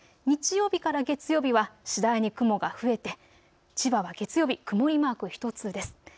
日曜日から月曜日は次第に雲が増えて千葉は月曜日曇りマーク１つです。